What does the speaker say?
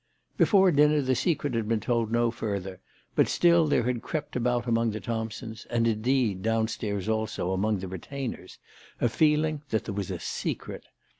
Before dinner the secret had been told no further, but still there had crept about among the Thompsons, and, indeed, downstairs also, among the retainers, a feeling that there was a secret.